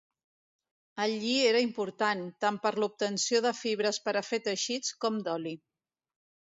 El lli era important, tant per l'obtenció de fibres per a fer teixits com d'oli.